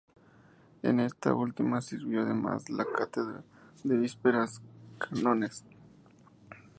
En esta última sirvió además la cátedra de vísperas de cánones.